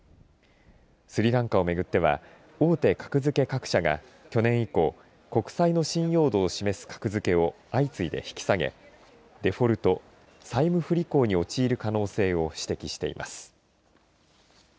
スリランカを巡っては大手格付け各社が、去年以降国債の信用度を示す格付けを相次いで引き下げデフォルト債務不履行に陥る可能性を指摘しています。